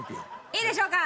いいでしょうか？